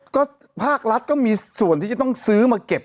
ก็ภาครัฐก็มีส่วนที่จะต้องซื้อมาเก็บ